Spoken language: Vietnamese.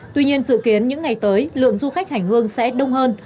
tuy nhiên dự kiến những ngày tới lượng du khách hành hương sẽ đông hơn